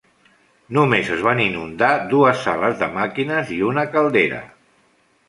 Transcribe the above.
Només es van inundar dues sales de màquines i una caldera.